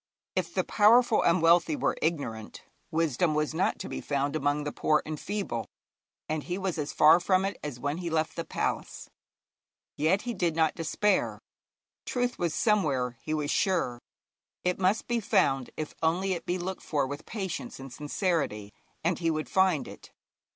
If the powerful and wealthy were ignorant, wisdom was not to be found among the poor and feeble, and he was as far from it as when he left the palace. Yet he did not despair. Truth was somewhere, he was sure; it must be found if only it be looked for with patience and sincerity, and he would find it.